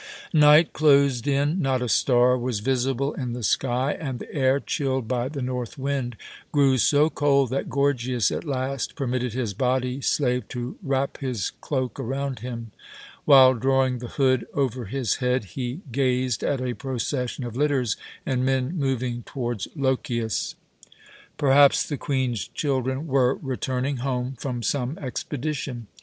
Night closed in. Not a star was visible in the sky, and the air, chilled by the north wind, grew so cold that Gorgias at last permitted his body slave to wrap his cloak around him. While drawing the hood over his head, he gazed at a procession of litters and men moving towards Lochias. Perhaps the Queen's children were returning home from some expedition.